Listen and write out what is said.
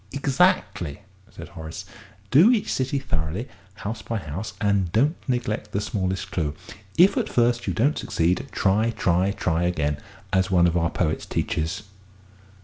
'" "Exactly," said Horace. "Do each city thoroughly, house by house, and don't neglect the smallest clue. 'If at first you don't succeed, try, try, try, again!' as one of our own poets teaches."